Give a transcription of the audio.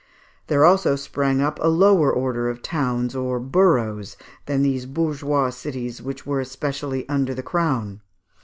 There also sprang up a lower order of towns or boroughs than these bourgeois cities, which were especially under the Crown.